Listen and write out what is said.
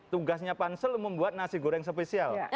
tugasnya pansel membuat nasi goreng spesial